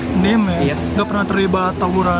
pendiem ya nggak pernah terlibat tawuran